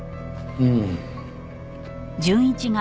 うん。